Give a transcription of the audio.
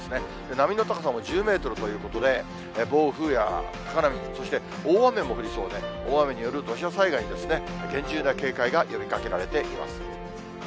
波の高さも１０メートルということで、暴風や高波、そして大雨も降りそうで、大雨による土砂災害に厳重な警戒が呼びかけられています。